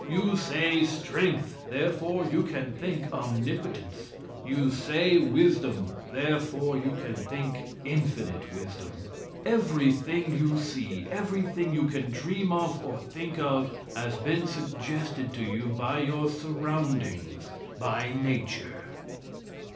You say strength, therefore you can think omnipotence. You say wisdom, therefore you can think infinite wisdom. Everything you see, everything you can dream of or think of, has been suggested to you by your surroundings, by nature.